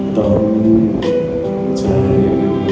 ต้องกดใจ